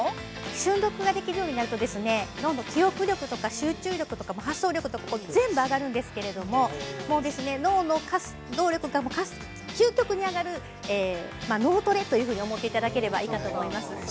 ◆瞬読ができるようになると、どんどん記憶力とか、集中力とか、発想力とか全部上がるんですけれども、脳の能力が究極に上がる脳トレというふうに思っていただければいいかと思います。